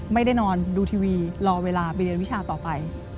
ไม่ได้นอนดูทีวีรอเวลาไปเรียนวิชาต่อไป